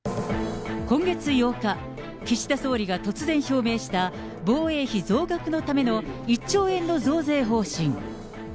今月８日、岸田総理が突然表明した、防衛費増額のための１兆円の増税方針。